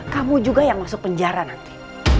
kamu juga yang masuk penjara nanti